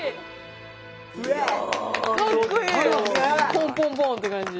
ポンポンポンって感じ。